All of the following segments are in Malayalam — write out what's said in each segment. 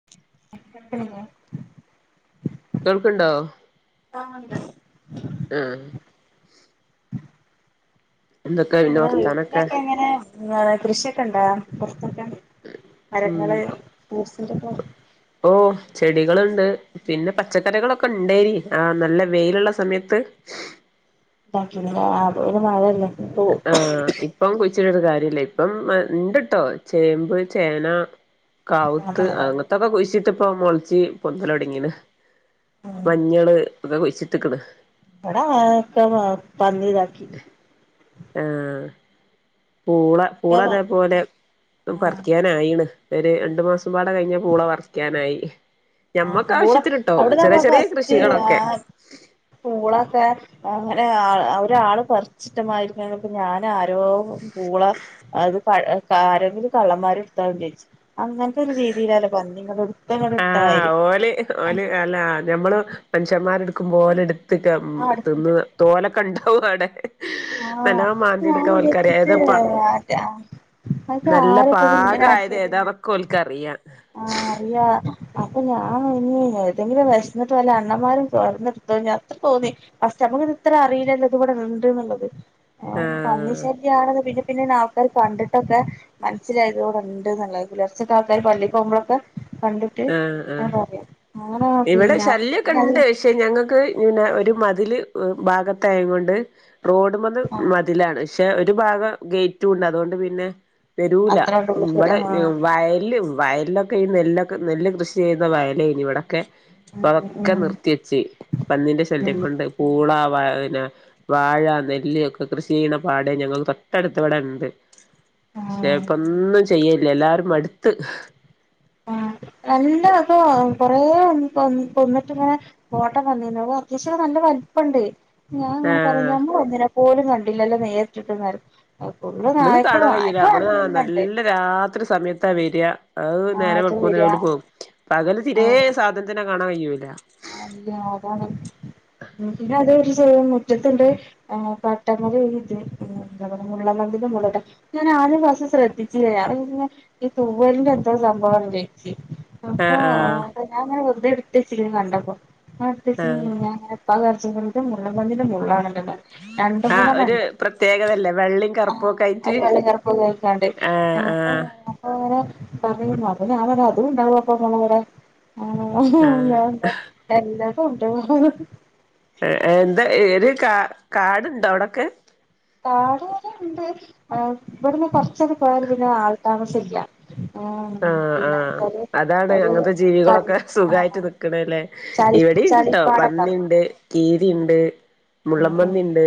[unintelligible] കേൾക്കണ്ടോ ആഹ് ഉണ്ട് ആഹ് ആഹ് എന്തൊക്കെ പിന്നെ നമ്മടെ വർത്താനൊക്കെ വീട്ടിലൊക്കെ അങ്ങനെ കൃഷിയൊക്കെയുണ്ടാ പൊറത്തൊക്കെ ഉം മരങ്ങള് ഫ്രൂട്സിന്റെ ഒക്കെ ഓഹ് ചെടികൾ ഇണ്ട്. പിന്നെ പച്ചക്കറികളൊക്കെ ഇണ്ടയ്നി ആ നല്ലെ വെയിലുള്ള സമയെത്ത് ഇതാകിന്ലെ അപ്പൊ പിന്നെ മഴല്ലേ [unintelligible] ആഹ് ഇപ്പം കുഴിച്ചിട്ട് കാര്യല്ല്യാ ഇപ്പം ഇണ്ട്ട്ടോ ചേമ്പ്, ചേന കാവുത്ത് അതാണ് അങ്ങത്തൊക്കെ കുയ്ചിട്ട്പ്പോ മൊള്ച്ച് പൊന്തെല് തൊട്ങ്ങീണ്. ഉം മഞ്ഞള് ഇത് കുയ്ച്ച്ട്ട്ക്ക്ണ്. ഇവടെ അഹൊക്കെ പന്നി ഇതാക്കി. ആഹ് പൂള പൂള. ഒക്കെ പന്നി അതേപോലെ ആഹ് പർക്കി നായിണ് ഒര് രണ്ട് മാസം പാടെ കഴ്ഞാ പൂള പറിക്കാനായി. ഞമ്മക്ക് ആഹ് പൂള ആവശ്യത്തിന്ട്ടോ അവിട്ന്നാ ചെറിയ പോ ചെറിയ ഫസ്റ്റ് കൃഷികളൊക്കെ ആഹ് പൂളൊക്കെ അങ്ങെനെ ഒരാള് പർ ഇഷ്ട്ട മാരി [unintelligible] ഞാനാരോ പൂള അത് പ്പ ആരെങ്കിലും കള്ളന്മാര് ഇട്ത്തോ വിജാരിച്ച് അങ്ങൻതൊരു രീതിയിലാണ് പന്നി [unintelligible] ആഹ് ഓല്, ഓല് അല്ല ഞമ്മള് മൻഷ്യന്മാര് എട്ക്കുംപോലെ ഇട്ത്ത്ക്ക ആഹ് തിന്ന് അടുത്തുണ്ട് തോലൊക്കെ ഇണ്ടാവും അവിടെ ആണോ നല്ലോം ഞാൻ മാന്തിയെടുക്കാൻ ഓൽക്കറിയ ഏതപ്പാ വിചാരിച്ചിട്ട് അത് നല്ലെ ആരപ്പത് ഇങ്ങനെ പാകയെത് ആക്കിയത് ഏതാന്നൊക്കെ ഓല്ക്കറിയാം. ആഹ് അറിയാ അപ്പൊ ഞാൻ ഇനി ഏതെങ്കിലും വെഷ്ന്നിട്ട് വല്ല അണ്ണമാരും തൊര്ന്ന് എട്തൊ അത്രതോന്നി. ഫസ്റ്റ് അപ്പൊ അമ്മക്ക് ഇത് ഇത്ര അറിയില്ലല്ലോ ഇത് ഇവടെ ഇണ്ട്ന്ന്ള്ളത്. ഏഹ് പന്നി ആഹ് [unintelligible] ശെരിയാണ് പിന്നെ പിന്നെ ആൾക്കാര് കണ്ടിട്ടൊക്കെ മനസ്സിലായത് ഇവടെ ഇണ്ട്ന്ന് ഇല്ലത് പുലെർച്ചൊക്കെ ആൾക്കാര് പള്ളിക്ക് പോകുമ്പളൊക്കെ കണ്ട് ട്ട് ആഹ് ആഹ് ഇങ്ങെനെ പറയാം അങ്ങെനെ പിന്നെ പിന്നെത് പക്ഷേ ഞങ്ങക്ക് ഒര് മതില് ഭാഗത്തായങ്ങൊണ്ട് റോഡ്മ്മന്ന് ആഹ് മ മതിലാണ് പക്ഷേ ഒര് ഭാഗം ഗേയ്റ്റുണ്ട് അതുകൊണ്ട് പിന്നെ വെരൂല അത്ര ഉള്ളൂ ഇവടെ ആഹ് വയല് വയലിലൊക്കെ ഈ നെല്ലൊ ക് ന്നെല്ല് കൃഷിചെയ്യുന്ന വയലെയ്നി ഇവടൊക്കെ ഉം ഇപ്പൊ അതൊക്കെ ഉം നിർത്തി വെച്ച് പന്നിന്റെ ഉം ശല്യംകൊണ്ട് പൂളാ വ പിന്നെ വാഴ, നെല്ല് ഒക്കെ കൃഷി ചെയ്യ്ണെ പാടെയ് ഞങ്ങൾ തൊട്ടടുത്ത് ഇവടെണ്ട്. പക്ഷേ ആഹ് ഇപ്പൊന്നും ചെയ്യലില്ല എല്ലാരും മട്ത്ത് ആഹ് ന്നല്ലെതാ കൊറെ കൊന്ന് കൊന്ന്ട്ട് ഇങ്ങെനെ ഫോട്ടം വന്നീന്നു അപ്പെ അത്യാവിശ്യം നല്ലെ വൽപണ്ട്. ഞാന് ഇങ്ങെനെ പറയും ആഹ് ഞമ്മള് ഒന്നിനെ പോലും കണ്ടില്ലല്ലോ നേരിട്ടിട്ട് പറയും [unintelligible] ഫുള്ള് നമുക്ക് നായ്ക്കള് കാണാൻ കഴിയൂല നായ്ക്കള് നമ്മള് ന്നല്ലെണ്ട്. നല്ല രാത്രി സമയത്താ വെരാ അയ് ആഹ് നേരം അത് വെള്ക്കുമ്പൊത്തിന് വരാ ഓല് പോവും പകല് തിരെ സാദ ത്തിനെ കാണാൻ കയ്യുല. ആഹ് അല്ല അതാണ് ഉം പിന്നെ അത്ചെയ്യും മുറ്റെത്ത്ണ്ട് ഏഹ് പട്ടമ്മെല് ഇത് എന്താപറിയ മുള്ളെൻ പന്നിന്റെ [unintelligible] ഞാനാദ്യ പ്രാവിശ്യം ശ്രദ്ധിച്ചില്ല ഞാനത് പിന്നെ ഈ തൂവെലിന്റെ എന്തോ സംഭവാ വിജാരിച്ച്. അപ്പോ ആഹ് ആഹ് ഞാങ്ങനെ വെർതെ ഇട്ത്തെച്ചിര്ന്നു കണ്ടപ്പോ ഞാൻ ഇട്ത്ത് വെച്ച് ആഹ് ഞാനിങ്ങനെ [unintelligible] മുള്ളെൻ പന്നീന്റെ മുള്ളാണല്ലോ [unintelligible] രണ്ട് ആഹ് മൂന്നെണ്ണം ഒരു ഇണ്ട് പ്രത്യേകതല്ലേ വെള്ളയും ആഹ് കറുപ്പും ഒക്കെ ആയിട്ട് ഒര് വെള്ളി കർപ്പൊക്കെ അയ്ക്കാണ്ട്. ആഹ് ആഹ് [unintelligible] അപ്പെ അങ്ങെനെ പർഞ് അപ്പൊ ഞാൻ പർഞ് അതും ഇണ്ടാവും അപ്പൊ ഞമ്മളെ ഇവടെ ആഹ് [unintelligible] എല്ലാതുണ്ട് അഹ്. എന്താ ഏത് കാ കാട്ണ്ടോ അവ്ടൊക്കെ കാട് ഇങ്ങെനെണ്ട് ഏ ഇവെട്ന്ന് കൊർച്ചണ് പോയാൽ പിന്നെ ആൾ താമസം ഇല്ല്യാ ആഹ് പിന്നെ ആഹ് ഒര് അതാണ് ഒര് കണ് ആഹ് ക്ക്ണ്ലെ ചളി ഇവെടീണ്ട്ട്ടോ ചളിപ്പാടം ഉണ്ടാവില്ലേ പന്നിണ്ട് കീരിണ്ട് ഉം ഉം മുള്ളമ്പന്നിണ്ട്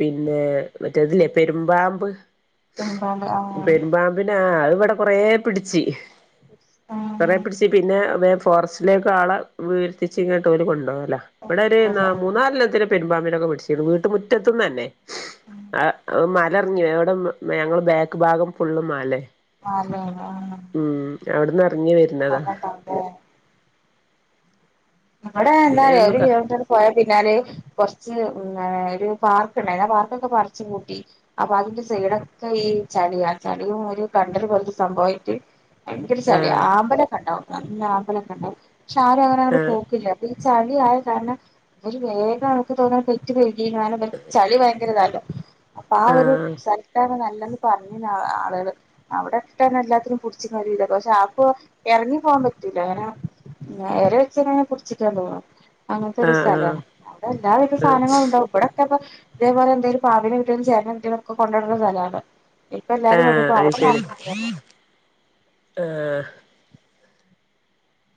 പിന്നെ മറ്റേതില്ലേ പെരുമ്പാമ്പ് ഉം പാണ്ട് ആഹ് പെരുമ്പാമ്പ് പിന്നാ അത് ഇവിടെ കൊറേ പിടിച്ചി കൊറെ ആഹ് പിടിച്ച് പിന്നെേ വേ ഫോറസ്റ്റിലേക്കളെ വരിത്തിച്ച് ഇങ്ങോട്ട ഓല് കൊണ്ടു പോകല ഇവിടെര് ന എന്തൂരാ മൂന്നാലെണ്ണത്തിനെ പെരുമ്പാമ്പിനെക്കെ പിടിച്ചിരുന്നു വീട്ട് മുറ്റത്ത്ന്നന്നെ റിഞ്ഞു എവിടെ ഞങ്ങള്ൾ ബാക്ക് ഭാഗം ഫുള്ളും മലയ മലയല്ലേ ഉം അവിടന്ന്റങ്ങി വര [inaudible] ഇമ്മടെ എന്താ പിന്നെ അറിയോ അയിനൊന്നും ഒരു ക കിലോറ്റർ പോയ പിന്നല് കൊറച്ച് ഒരു പാർക്ക് ഉണ്ടായിരുന്നു ആഹ് പാർക്കൊക്കെ പറച്ച് കൂട്ടി അപ്പൊ അതിന്റെ സൈഡൊക്കെ ഈ ചളിയാ ചളിയും ഒരു കണ്ടര് പോലത്തെ സംഭവമായിട്ട് ഭയങ്കരി ചളിയ ആഹ് ആപലക്കണ്ടാവും നല്ല ആപലക്കണ്ടവും പക്ഷെ ആരങ്ങനെ ആഹ് പോക്കില്ല അപ്പൊ ഈ ചളിയ ആയ കാരണം ഇര് വേഗം നമുക്ക് തോന്നാ ഴുകാലും ചളി ഭയങ്കരതാല്ലോ അപ്പൊ ആഹ് ഒരു സ്ഥലത്തണ് നല്ലത് പറഞ്ഞിന് ആ ആളുകള് അവിടക്കെ എല്ലാത്തിനും പുടിച്ചിക്കാൻ കഴിയില്ല പക്ഷെ ആപ്പോ ഇറങ്ങി പോകാൻ പറ്റൂല്ല അങ്ങനെ നേരെ വെച്ചനെ പുടിച്ചിയ്ക്കാൻ തോന്നും അങ്ങനത്തെ ആഹ് ഒരു ആഹ് സ്ഥലമാണ് അടെ എല്ലാവിത സാധനങ്ങളും ഉണ്ടാവും ഇവിടൊക്കെ ഇപ്പൊ ഇതേപോലെ എന്തേലും പാമ്പിനെ കിട്ടിയാലും ചേരനേ കിട്ടിയാലും ഒക്കെ കൊണ്ടട്ടുന്ന സ്ഥലമാണ് ഇപ്പൊ എല്ലാവാരും ആഹ് അത് ശരി [inaudible] ആഹ്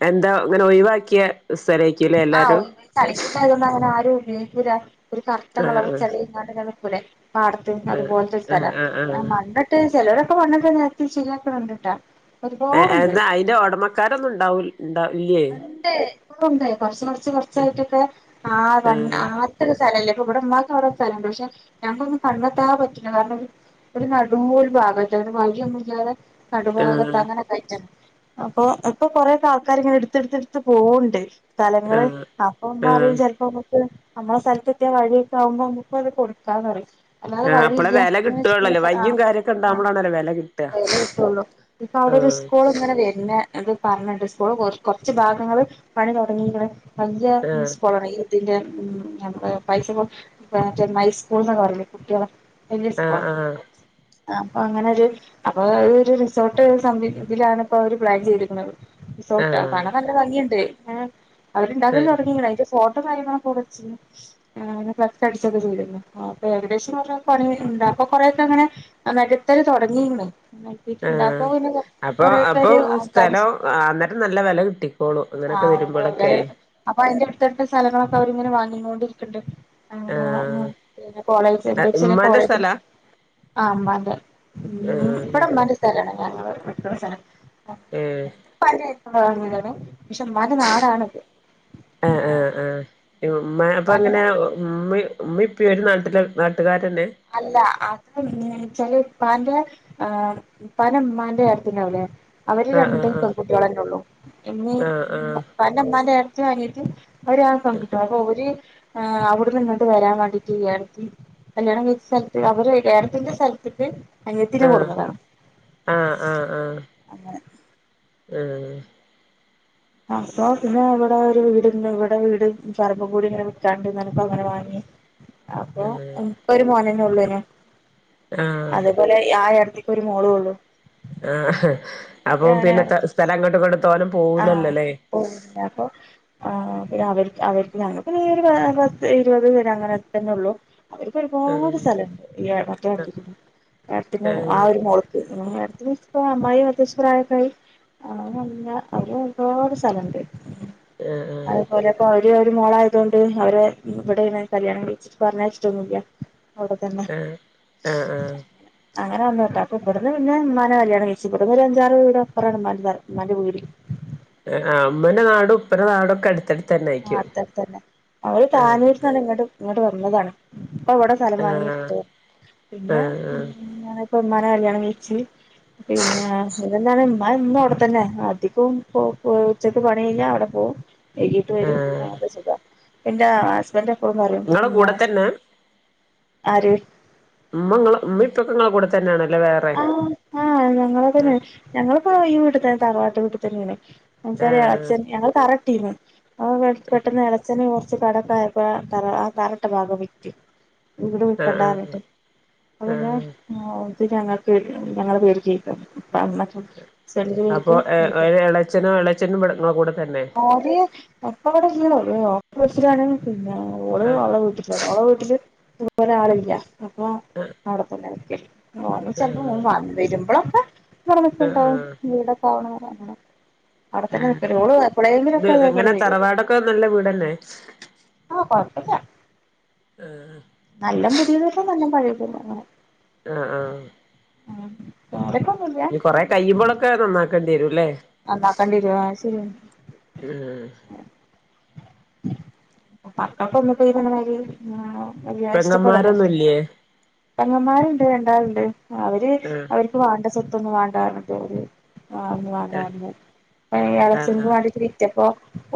എന്താ അങ്ങനെ ഒഴിവാക്കിയ സ്ഥലക്കല്ലേ എല്ലാരും ചളിക്കൂട്ട ആയതുകൊണ്ട് അങ്ങനെ ആരും ഉപയോഗിക്കുല്ല ഒരു കറത്ത ആഹ് കളർ ചെളി ഇങ്ങട് നിക്കുല്ലെ പാട അതുപോലത്തെ ഒരു സ്ഥല ആഹ് മണ്ണ്ട്ട് ചിലവരൊക്കെ മണ്ണിട് നേരത്തി ശെരിയാക്കണ് ഇണ്ട്ട്ടാ ഏ എന്നാ അതിന്റെ ഉടമക്കാരൊന്നും ഉണ്ടാവു ഉണ്ടാ വില്ലേ ണ്ട് കുറച്ച് കൊറച്ച് കൊറച്ചായിട്ടൊക്കെ ആ വ ആഹ് ഇത്ര സ്ഥലല്ലേപ്പൊ ഇവിടെ ഉമ്മാക്ക് അവരുടെ സ്ഥലമുണ്ട് പക്ഷെ ഞുക്കൊന്നും കണ്ടെത്താ പറ്റില്ല കാരണം ഇവ ഒരു നടു ഒരു ഭാഗത്ത ഇങ്ങനെ വഴി ഒന്നും ഇല്ലാതെ കടുഭാഗത്ത് ആഹ് അങ്ങനെൊക്കെ ആയിട്ട ആണ് അപ്പൊ ഇപ്പൊ കൊറേ ആൾക്കാര് ഇങ്ങനെ എടുത്ത്ടുത്ത്ടുത്ത് പോവണ്ട് സ്ഥലങ്ങള് ആഹ് അപ്പൊ ഉമ്മ ആഹ് പറയും ചിലപ്പോ നമുക്ക് നമ്മളെ സ്ഥലത്തെത്തിയാ വഴിയൊക്കെ ആകുമോ നമുക്ക അത് കൊടുക്കാന്ന്റിയും അല്ലാതെ ആഹ് അപ്പളെ വഴിയില്ല്യ വെല കിട്ടുകയുള്ളല്ലോ [unintelligible] വയ്യും കാര്യൊക്കെ ആഹ് ആഹ് ഉണ്ടാവുമ്പോളാണല്ലോ വെല കിട്ടുക വേല കിട്ടള്ളു ഇപ്പൊ അവിടെ ഒരു ആഹ് സ്കൂൾ ഇങ്ങനെ വരുന്ന അത് പറഞ്ഞിണ്ട് സ്കൂള് കൊ കുറച്ച് ഭാഗങ്ങള് പണി തുടങ്ങിയിക്കണ് വലയ ആഹ് സ്കോള അതിന്റെ ഉം നമ്മള് പൈസപ്പം [inaudible] സ്കൂൾന്ന് പറയല്ല കുട്ടികളെ വല്യ സ്കൂള ആഹ് ആഹ് അപ്പൊ അങ്ങനെ ഒരു അപ്പൊ ഒരു റിസോർട്ട് സംതി ഇതിലാണ്പ്പോ അവര് പ്ലാൻ ചെയ്തിക്കണത് പണ ആഹ് നല്ല ഭംഗിയുണ്ട് ഏഹ് അവര്ണ്ടാക്കന്ന് ആഹ് തുടങ്ങി അതിന്റെ ഫോട്ടോ കാര്യങ്ങള കൊറച്ച് ആഹ് ഫ്ലക്സ് അടിച്ചൊക്കെ ചെയ്തിക്കിന് അപ്പൊ ഏകദേശം പറഞ്ഞ പണി ഉണ്ട അപ്പൊ കൊറേൊക്കെ അങ്ങനെ നേഖത്തല് തുടങ്ങിക്കണ് നികത്തിട്ടുണ്ട് ആഹ് അപ്പൊ ഇനെ അപ്പൊ അപ്പൊ കൊറെക്കൊരു ആൾ സ്ഥലം താമസം അന്നേരം നല്ല വില കിട്ടിക്കോളും അങ്ങനെയൊക്കെ വരുമ്പോളൊക്കെ ആഹ് അപ്പൊ അതിന്റെ അടുത്തടുത്തെ സ്ഥലങ്ങളൊക്കെ അവരിങ്ങനെ വാങ്ങിങ്ങോണ്ടിരിക്കുന്നുണ്ട് ആഹ് [unintelligible] പിന്നെ കോളേജ് എന്തെച്ചാല് ഉമ്മാന്റെ കോളേജ് സ്ഥലാ ആഹ് ഉമ്മാൻ്റെ ഉം ആഹ് ഇവടെ ഉമ്മാൻ്റെ സ്ഥലാണ് ഞങ്ങള് നിക്ക്ണ സ്ഥലം ഏഹ് [unintelligible] നാടാണിത് ആഹ് ആഹ് ആഹ് ഇ യുമ്മ അപ്പ ഉപ്പാന്റെ എങ്ങനെ ഉമ്മയും ഉമ്മയും ഉപ്പയും ഒരു നാട്ടില് നാട്ടുകാരെന്നെയാ അല്ലാ അത് എങ്ങനെയാച്ചാല് ഉപ്പാന്റെ ആഹ് ഉപ്പാന്റെ ഉമ്മാന്റെ ഏട്ത്തിണ്ടാവുലെ? അവര് ആഹ് ആഹ് രണ്ടും ആഹ് പെൺകുട്ട്യോളെന്നെയുള്ളൂ ഇമ്മിം ആഹ് ആഹ് ഇപ്പാന്റെ ഇമ്മാന്റെ ഏട്ത്തി അനിയത്തും അവര് ആ പെൺകുട്ട്യേള് അപ്പൊ ഓല് ഏഹ് അവിടെന്ന്ങ്ങട്ട് വരാൻ വേണ്ടീട്ട് ഏടത്തി കല്യാണം കഴി സ്ഥൽത്ത് അവര് ഏടത്തീന്റെ സ്ഥലത്ത്ക്ക് അനിയത്തീനെ കൊടുന്നതാണ്. ആഹ് ആഹ് അങ്ങനെ ആഹ് അപ്പൊ പിന്നെ ഇവിടെ ഒരു വീട് ഇണ്ട് ഇവിടെ വീട് പറമ്പും കൂടി ഇങ്ങനെ വിക്കാണ്ട്ന്ന് പർഞ്ഞപ്പോ അങ്ങനെ വാങ്ങി. അപ്പൊ എനക്ക്പ്പൊരു മോനെന്നെ ഉള്ളോനു ആഹ് ആഹ് അങ്ങനെ അതേപോലെ ആ ഏടത്തി ഇപ്പൊരു മോളുള്ളൂ. ആഹ് അപ്പം പിന്നെ ത സ്ഥലം അങ്ങട്ടും ഇങ്ങട്ടും തോനെ പോവൂലല്ലോലെ. [unintelligible] അപ്പം ആഹ് പിന്നെ അവര്ക് അവര്ക്ക് ഞങ്ങക്ക് പിന്നെ ഒരു പത്ത് ഇരുപത് പേരെ അങ്ങനെക്കെത്തെന്നെയുള്ളു. അവര്ക്ക് ഒരുപാട് ആഹ് സ്ഥലണ്ട് ഈ മറ്റേ ഏടത്തിക്കെന്നെ ഏടത്തിന്റെ ആ ആഹ് ഒരു മോള്ക്ക് ഏട്ത്തിന്റെ ഇപ്പൊ അമ്മായി ഏകദേശം പ്രയക്കായി [unintelligible] അവര് ഒരുപാട് സ്ഥലണ്ട് ആഹ് ആഹ് അതേപോലെ ഇപ്പ അവര് ഒര് മോളായതോണ്ട് അവരെ ഇവിടെയാണ് കല്യാണം കഴിച്ചിട്ട് പറഞ്ഞയച്ചിട്ടൊന്നുല്ലാ. അവിടെ തന്നെ ആഹ് ആഹ് ആഹ് അങ്ങനെ അങ്ങനെ വന്നാട്ടോ അപ്പൊ ഇവിടുന്ന് പിന്നെ ഉമ്മാനെ കല്യാണം കഴിച്ച് ഇവിടുന്നൊരു അഞ്ചാറ് വീടപ്പറണ് ഉമ്മാന്റെ തറ ഉമ്മാൻ്റെ വീട്. ആഹ് ആഹ് ഇമ്മന്റെ നാടും ഉപ്പന്റെ നാടും ഒക്കെ അടുത്തട് ആഹ് അടുത്തടുത്തന്നെ അവള് ആഹ് താന്നൂര്ന്നാണ് ഇങ്ങട്ട് വന്നതാണ്. ഇപ്പൊ ഇവിടെ സ്ഥലം ആഹ് വാങ്ങിട്ത്തു പിന്നെ ആഹ് ഉം ആഹ് അങ്ങനെ ഇപ്പം ഉമ്മാനെ കല്യാണം കഴിച്ച് പിന്നാ അതെന്നെയാണ് ഉമ്മ എന്നും അവിടെത്തന്നെ അധികോം ഇപ്പൊ ഉച്ചക്ക് പണി കഴിഞ്ഞാ അവിടെ പോവും [unintelligible] ട്ട് വെരും ആഹ് അതുകൊണ്ട് സുഖാ ഇപ്പ എന്റെ ഹസ്ബൻഡ് എപ്പഴും പറയും നിങ്ങളെ പിന്നാ കൂടെ തന്നെ ആര് ഉമ്മങ്ങളെ ഉമ്മേം ഉപ്പെക്കെങ്ങളെ കൂടെ തന്നെയാണല്ലേ വേ ആഹ് ആഹ് ഞങ്ങളെ തന്നെ ഞങ്ങളിപ്പോ ഈ വീട്ട് തന്നെ തറവാട്ട് വീട്ടി തന്നെയാണെ [unintelligible] ആഹ് എളച്ഛൻ ഞങ്ങള് തറട്ടീന്ന് അപ്പം പെട്ടെന്ന് എളേച്ഛന് ഹോ ച്ച് കടക്കെ ആയപ്പൊ തറ ആഹ് തറട്ട ഭാഗം വിറ്റ് ഇവടെ ആഹ് വിക്കണ്ടാന്ന് ആഹ് പറഞ്ഞിട്ട് അപ്പ പിന്നെ ആഹ് ഉം ഇത് ഞങ്ങ വീട് ഞങ്ങളെ പേര്ക്ക് എഴുതി തന്ന് [unintelligible] ചെലര് [unintelligible] ച്ഛനോ എളച്ഛനും ഇവടെ ഇങ്ങളെ കൂടെ തന്നെ. ഓര് ഇപ്പവിടെ ഇല്ലാ ഓല് [unintelligible] പിന്നെ ഓള് ആഹ് ഓളെ വീട്ട് [unintelligible] ഓളെ വീട്ടില് ഇതു പോലെ ആളില്ലാ. അപ്പൊ അവടെത്തെന്നെ നിക്കല് ആഹ് ചെലപ്പോ ഓൻ വൻ വെരുമ്പളൊക്കെ ആഹ് നിക്ക്ണ്ടാവും ആഹ് വീടൊക്കെ ആവണ വെരെ അങ്ങനെ അവടെത്തെന്നെ നിക്കല് ഓള് എപ്പേളെങ്കിലൊക്കെ ഇതെ പോലെ വെരും ഒക്കെ നല്ല വീടല്ലെ ആ കൊഴപ്പില്ല്യ ആഹ് നല്ല പുതിയതുല്ല നല്ലം പയയെതുല്ല അങ്ങനെ ആഹ് ആഹ് ആഹ് [inaudible] ഇനി കൊറെ കഴിയുമ്പോളൊക്കെ നന്നാക്കേണ്ടി വരുല്ലേ നന്നാക്കണ്ടിരു ആ ശരി ആണ്. ഉം മക്കൾക്ക് ഒന്ന് ഈ പറഞ്ഞ മാതിരി ആ വല്ലാതെ ഇഷ്ടപ്പെടുന്നില്ല പെങ്ങന്മാരൊന്നുംല്ലേ പെങ്ങന്മാര്ണ്ട് രണ്ടാള്ണ്ട് അവര് ആഹ് അവർ.. ഇപ്പവാണ്ട സ്വത്തൊന്നും വേണ്ടാന്ന് പറഞ്ഞിട്ട് ഓല്.. ആഹ് [unintelligible] എളേച്ചൻക്ക് ആഹ് വാണ്ടിട്ട് [unintelligible] അ പ്പോ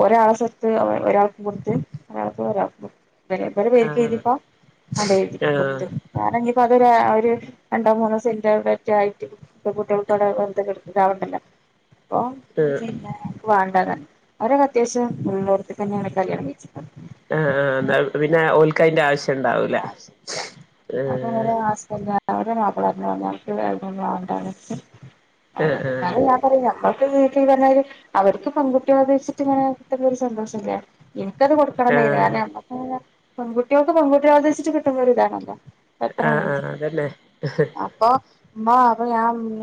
ഒരാളെ സ്വത്ത് ഒരാൾക്ക് കൊടുത്ത് ഒരാളത് ഒരാൾക്ക് കൊടുത്തു ഇബ ഇവരെ പേര്ക്ക് ആഹ് എഴുതിപ്പ അടെ എഴുതി ആഹ് ആഹ് കൊടുത്ത് വേറെന്നിപ്പതൊ ഒരു രണ്ടോ മൂന്നോ സെന്റോ എവിടെറ്റായിട്ട് ഇപ്പ കുട്ടയോൾക്കോടെ വെറുതെ കെടന്ന് താവണ്ടല്ലോ പ്പോ ആഹ് പിന്നേ വാണ്ടതാ അവരൊക്കെ അത്യാവശ്യം ഉള്ളോട് ത്ത് ക്കെന്നേണ് കല്യാണം കഴിച്ച്ക്ക്ന്നത് ആ ന്നാ പിന്നെ ഓൽക്കയിന്റെ ആവശ്യണ്ടാവൂല അസ്മാ വിൻ്റെ മാപ്പള പറഞ്ഞു [unintelligible] [unintelligible] ആഹ് ആഹ് നമ്മക്ക് വീട്ടിന്ന് പറഞ്ഞ മാതിരി അവർക്ക് പെൺകുട്ടി ഉദ്ദേദിച്ചിട്ട ഇങ്ങനെ കിട്ടുന്നരു സന്തോഷല്ലെ [unintelligible] എനിക്കത് കൊടുക്കണ നിന്നു ആഹ് കാരണം നമക് പെൺകുട്ട്യോൾക്ക് പെൺകുട്ട്യോൾത് ഉദ്ദേശിച്ചത് കിട്ടുമ്പോ ഒരിതാണല്ലോ ആഹ് ആഹ് അതന്നെ അപ്പ ഉമ്മ അപ്പൊ ഞാ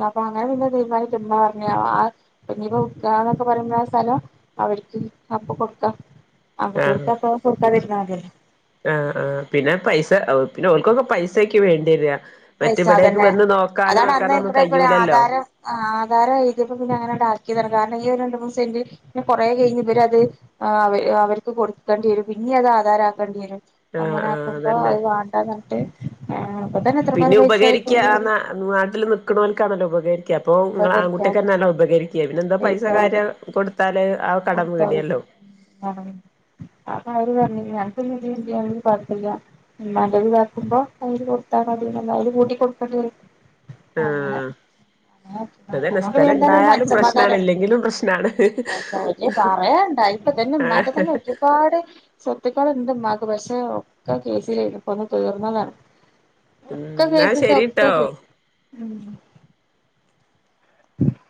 അപ്പൊ അങ്ങനെ പിന്നെ തീരുമാനിച്ചിട്ട് ഇമ്മ പറഞ്ഞ് പിന്നീപ്പ വിക്കാന്നൊക്കെ പറയുമ്പോഴ ആ സ്ഥലം അവർക്ക് അപ്പൊ കൊടുക്കാം ആഹ് ആൺകുട്ട്യോള്ക്കപ്പോ കൊടുക്കാതിരുന്നാ മതില്ലോ ആഹ് ആ പിന്നെ പൈസ പിന്നെ ഓല്ക്കൊക്കെ പൈസക്ക് വേണ്ടി വെരാ പൈസാ അതന്നെ അതാണ് അന്ന് ഇവിടൊക്കെ ഒരു കഴിയൂലല്ലോ ആധാരം ആ ആധാര എഴുതിയപ്പ പിന്നെ അങ്ങനെണ്ടാക്കിതാണ് കാരണം ഈ ഒരു രണ്ട് മൂന്ന് സെന്റ് പിന്നെ കൊറെ കഴിഞ്ഞു ഇവര് അത് ആ അവ അവർക്ക് കൊടുക്കേണ്ടി വരും പിന്നെ അത് ആധാര ആക്കേണ്ടി വരും ആഹ് അങ്ങനെ ആഹ് ആക്കുമ്പോ അതന്നെ അത് വാണ്ട ന്നിട്ട് അപ്പൊ തന്നെ എത്ര പേരെ പിന്നെ പൈസ ഉപകരിക്ക ആയിപോയി ആ നാട്ടിൽ നിക്കണോൽക്കാണല്ലോ ഉപകരിക്ക ക്ക്യ അപ്പൊ നിങൾ ഉപകരിക്കാതെന്നെ ആൺകുട്ടിയോക്കെന്നല്ലെ ഉപകരിക്കാ പിന്നെന്താ പൈസ ഉപയോഗിക്കാതെ കാര്യം കൊടുത്താല് ആ കടം വീടിയല്ലോ ആഹ് അത് അവര് പറഞ്ഞ് ഞങ്ങൾക്ക് ന്ന് ഇതിലില്ലെങ്കിലും കൊഴപല്ല്യ ഉമ്മാന്റെ ത് ഇതാക്കുമ്പോ അ യില് കൊടുത്താൽ മതിന്ന് [unintelligible] അതില് കൂട്ടി കൊടുക്കേണ്ടി വരും അങ്ങനെ ആഹ് അങ്ങനെ ആക്കി അതന്നെ അതുകൊണ്ട് പിന്നെ സ്ഥലം എന്തായാലും ഒരു ഇണ്ടായാലും പ്രശ്നാണ് ഇല്ലെങ്കിലും പ്രശ്നാണ് ശരിയ പറയാണ്ടോ ഇപ്പൊ തന്നെ ആഹ് ഉമ്മാന്റെ തന്നെ ഒരുപാട് സ്വത്തുക്കള്ണ്ട് ഉമ്മാക്ക് പക്ഷെ ഒക്കെ കേസിലായിരുന്നു ഇപ്പ ഒന്ന് തീർന്നതാണ് [unintelligible] ഒക്കെ എന്നാ കേസിച്ച ഒക്ക ശരിട്ടോ കേസ് ഉം [inaudible]